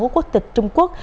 quốc tịch trung quốc